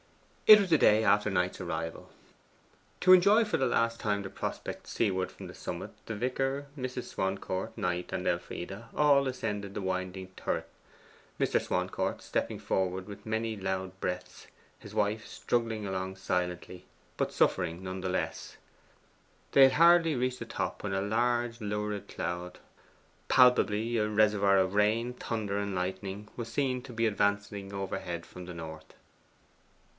This was the day after Knight's arrival. To enjoy for the last time the prospect seaward from the summit, the vicar, Mrs. Swancourt, Knight, and Elfride, all ascended the winding turret Mr. Swancourt stepping forward with many loud breaths, his wife struggling along silently, but suffering none the less. They had hardly reached the top when a large lurid cloud, palpably a reservoir of rain, thunder, and lightning, was seen to be advancing overhead from the north.